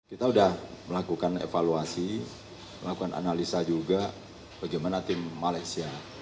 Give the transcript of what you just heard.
kita sudah melakukan evaluasi melakukan analisa juga bagaimana tim malaysia